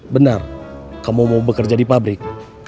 benar kamu mau bekerja di pabrik